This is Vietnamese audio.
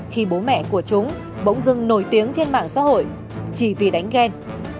khi bố mẹ của chúng bỗng dưng nổi tiếng trên mạng xã hội chỉ vì đánh ghen